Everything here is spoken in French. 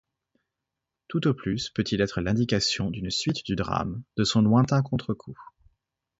Tout au plus peut-il être l’indication d’une suite du drame, de son lointain contrecoup.